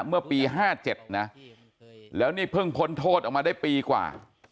เมื่อปี๕๗นะแล้วนี่เพิ่งพ้นโทษออกมาได้ปีกว่า